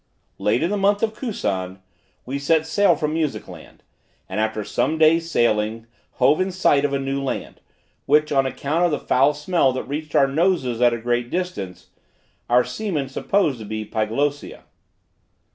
Late in the month of Cusan, we set sail from Music land, and after some days sailing hove in sight of a new land, which, on account of the foul smell that reached our noses at a great distance, our seamen supposed to be Pyglossia.